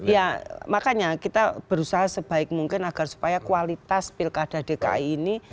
ya makanya kita berusaha sebaik mungkin agar supaya kualitas pilkada dki ini